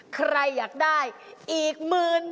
ใครอยากได้อีกหมื่น